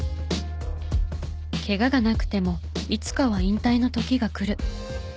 けががなくてもいつかは引退の時がくる。